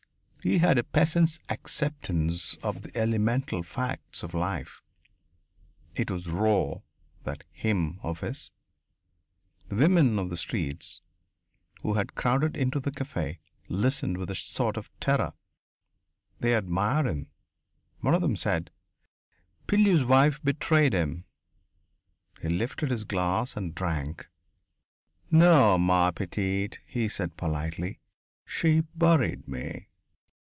He had a peasant's acceptance of the elemental facts of life it was raw, that hymn of his! The women of the streets who had crowded into the caf listened with a sort of terror; they admired him. One of them said: "Pilleux's wife betrayed him." He lifted his glass and drank. "No, ma petite," he said politely, "she buried me."